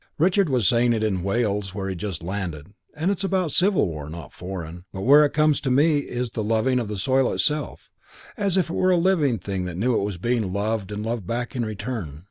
Richard was saying it in Wales where he'd just landed, and it's about civil war, not foreign; but where it comes to me is the loving of the soil itself, as if it were a living thing that knew it was being loved and loved back in return.